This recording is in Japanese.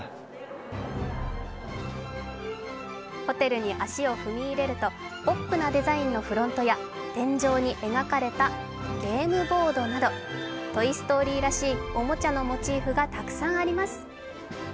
ホテルに足を踏み入れるとポップなデザインのフロントや天井に描かれたゲームボードなど「トイ・ストーリー」らしいおもちゃのモチーフがたくさんあります。